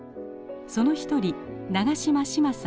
その一人長嶋志まさん。